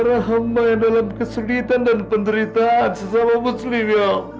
karena hamba tidak dapat melepaskan risiko ritah dari muslim ya amma